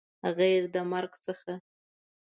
غیر د مرګ څخه